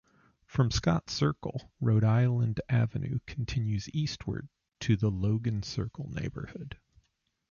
From Scott Circle, Rhode Island Avenue continues eastward to the Logan Circle neighborhood.